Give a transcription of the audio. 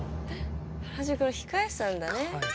原宿の控え室なんだね。